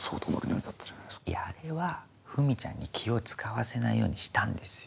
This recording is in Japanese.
あれはふみちゃんに気を使わせないようにしたんです。